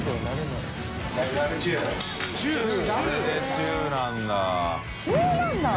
中なんだ？